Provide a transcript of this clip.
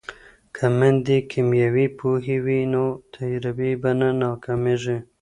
که میندې کیمیا پوهې وي نو تجربې به نه ناکامیږي.